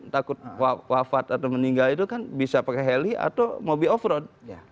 takut wafat atau meninggal itu kan bisa pakai heli atau mobil off road